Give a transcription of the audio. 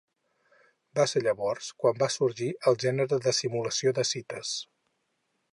Va ser llavors quan va sorgir el gènere de simulació de cites.